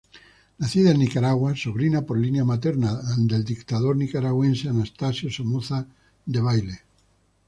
Nacida en Nicaragua, sobrina por línea materna del dictador nicaragüense Anastasio Somoza Debayle.